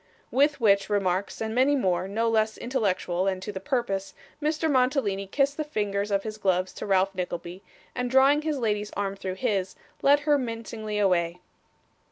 With which remarks, and many more, no less intellectual and to the purpose, Mr. Mantalini kissed the fingers of his gloves to Ralph Nickleby, and drawing his lady's arm through his, led her mincingly away.